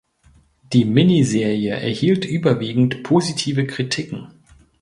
Die Miniserie erhielt überwiegend positive Kritiken.